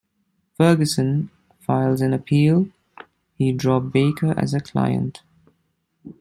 Ferguson, filed an appeal, he dropped Baker as a client.